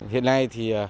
hiện nay thì